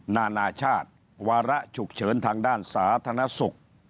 นานาชาติวาระฉุกเฉินทางด้านสาธารณสุข